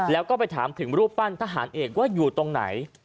แล้วก็ไปถามถึงรูปปั้นทหารเอกว่าอยู่ตรงไหน